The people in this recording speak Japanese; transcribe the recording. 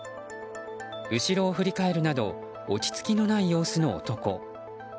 後ろを振り返るなど落ち着きのない様子の男。